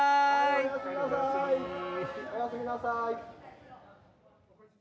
おやすみなさい。